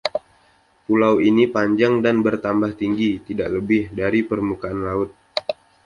Pulau ini panjang dan bertambah tinggi tidak lebih dari permukaan laut.